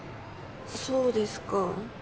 そうですか。